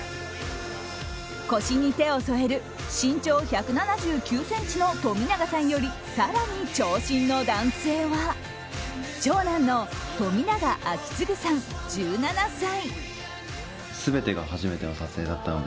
腰に手を添える身長１７９ｃｍの冨永さんより更に長身の男性は長男の冨永章胤さん、１７歳。